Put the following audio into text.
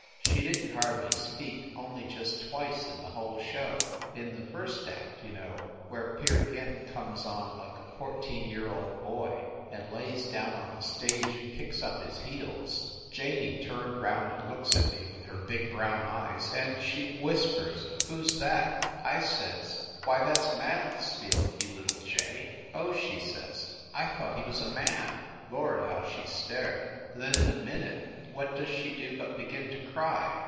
She didn t hardly speak only just twice in the whole show. In the first act, you know, where Peer Gynt comes on like a fourteen year old boy and lays down on the stage and kicks up his heels, Janey turned round i/4 FIND THE WOMAN and looks at me with her big brown eyes, and she whispers, "Who s that?" I says, u Why, that s Mansfield, you little jay!" "Oh," she says, "I thought he was a man!" Lord, how she stared! Then in a minute what does she do but begin to cry.